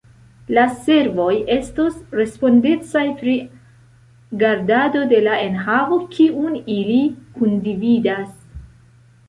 La servoj estos respondecaj pri gardado de la enhavo kiun ili kundividas.